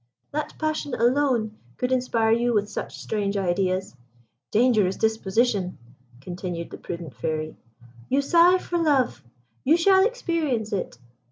That passion alone could inspire you with such strange ideas. Dangerous disposition!" continued the prudent Fairy. "You sigh for love you shall experience it.